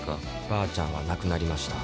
ばあちゃんは亡くなりました。